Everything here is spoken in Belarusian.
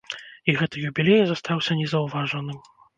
І гэты юбілей застаўся незаўважаным.